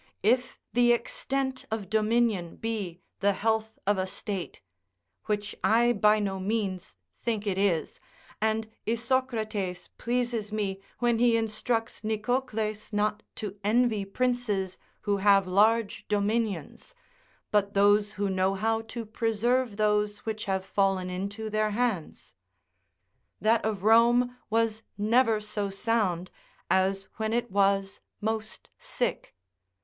If the extent of dominion be the health of a state (which I by no means think it is, and Isocrates pleases me when he instructs Nicocles not to envy princes who have large dominions, but those who know how to preserve those which have fallen into their hands), that of Rome was never so sound, as when it was most sick.